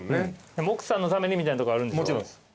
奥さんのためにみたいなとこあるんでしょ。